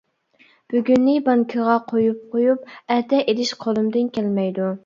بۈگۈننى بانكىغا قويۇپ قۇيۇپ، ئەتە ئېلىش قولۇمدىن كەلمەيدۇ.